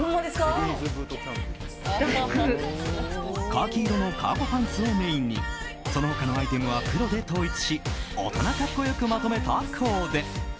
カーキ色のカーゴパンツをメインにその他のアイテムは黒で統一し大人格好良くまとめたコーデ。